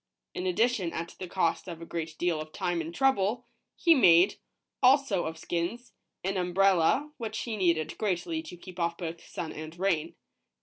In addition, at the cost of a great deal of time and trouble, he made, also of skins, an umbrella, which he needed greatly to keep off both sun and rain.